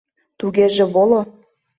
— Тугеже воло.